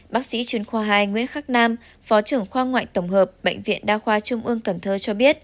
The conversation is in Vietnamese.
bác sĩ chuyên khoa hai nguyễn khắc nam phó trưởng khoa ngoại tổng hợp bệnh viện đa khoa trung ương cần thơ cho biết